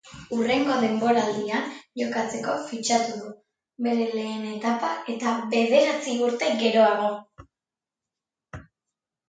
Hurrengo denboraldian jokatzeko fitxatu du, bere lehen etapa eta bederatzi urte geroago.